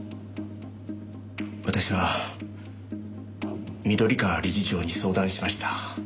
私は緑川理事長に相談しました。